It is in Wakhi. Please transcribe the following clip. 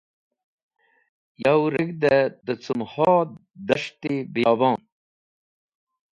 Yow reg̃hde dẽ cumho das̃ht-e biyobon.